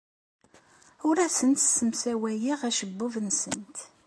Ur asen-ssemsawayeɣ acebbub-nsen.